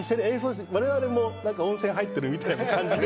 我々も温泉に入ってるような感じで。